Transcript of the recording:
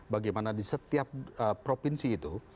bagaimana di setiap provinsi itu